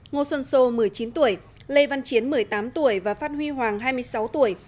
ngô xuân sô một mươi chín tuổi lê văn chiến một mươi tám tuổi và phát huy hoàng hai mươi sáu tuổi